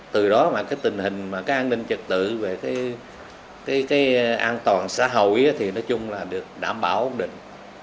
từ đó mà cái tình hình mà cái an ninh trật tự về cái an toàn xã hội thì nói chung là được đảm bảo ổn định